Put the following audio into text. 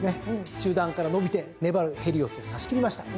中団から伸びて粘るヘリオスを差し切りました。